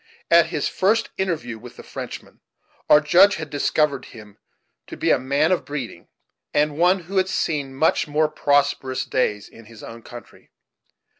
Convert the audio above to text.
At his first interview with the Frenchman, our Judge had discovered him to be a man of breeding, and one who had seen much more prosperous days in his own country.